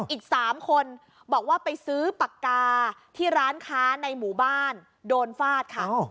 อีก๓คนบอกว่าไปซื้อปากกาที่ร้านค้าในหมู่บ้านโดนฟาดค่ะ